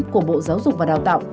của bộ giáo dục và đào tạo